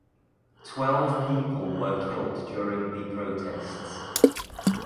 Twelve people were killed during the protests.